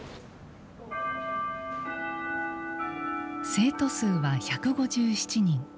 生徒数は１５７人。